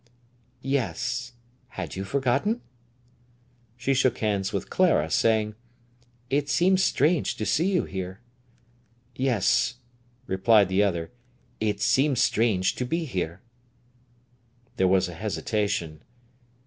"Yes. Had you forgotten?" She shook hands with Clara, saying: "It seems strange to see you here." "Yes," replied the other; "it seems strange to be here." There was a hesitation.